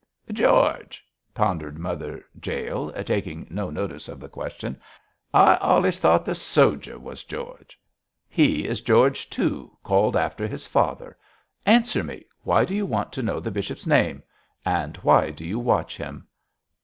'George!' pondered Mother Jael, taking no notice of the question, 'I allays though' the sojir was George!' 'He is George too, called after his father. Answer me! Why do you want to know the bishop's name? and why do you watch him?'